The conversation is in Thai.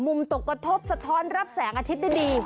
ตกกระทบสะท้อนรับแสงอาทิตย์ได้ดี